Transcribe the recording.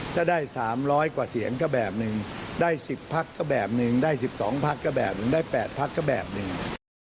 ถ้าได้๓๐๐กว่าเสียงก็แบบหนึ่งได้๑๐พักก็แบบหนึ่งได้๑๒พักก็แบบหนึ่งได้๘พักก็แบบหนึ่ง